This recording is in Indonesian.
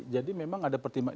jadi memang ada pertimbangan